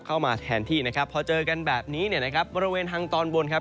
เข้ามาแทนที่นะครับพอเจอกันแบบนี้เนี่ยนะครับบริเวณทางตอนบนครับ